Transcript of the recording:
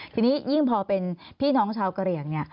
ทีนี้ยิ่งพอเป็นพี่น้องชาวกระเหรียง